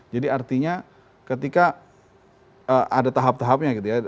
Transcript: jadi artinya ketika ada tahap tahapnya gitu ya